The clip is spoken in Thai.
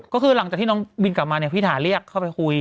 ก็คือหลังจากที่น้องบินกลับมาเนี่ยพี่ถาเรียกเข้าไปคุย